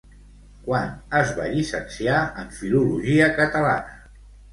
Quan es va llicenciar en Filologia Catalana?